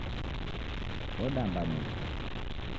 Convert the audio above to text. Odamba nicha